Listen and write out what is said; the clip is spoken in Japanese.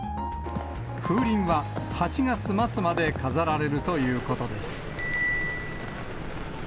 風鈴は８月末まで飾られるということです。